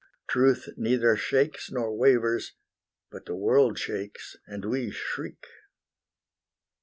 Truth neither shakes Nor wavers; but the world shakes, and we shriek.